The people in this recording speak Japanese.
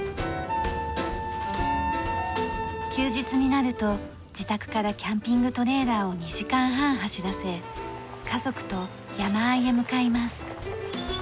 休日になると自宅からキャンピングトレーラーを２時間半走らせ家族と山あいへ向かいます。